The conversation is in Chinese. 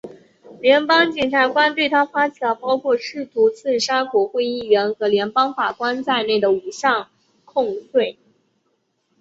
联邦检察官对他发起了包括试图刺杀国会议员和联邦法官在内的五项控罪。